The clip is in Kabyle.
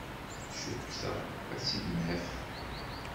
Cukkteɣ ad tt-id-naf.